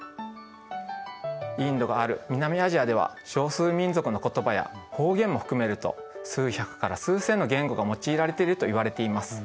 インドがある南アジアでは少数民族の言葉や方言も含めると数百から数千の言語が用いられているといわれています。